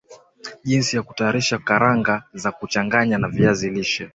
Jinsi ya kutayarisha karanga za kuchanganya na viazi lishe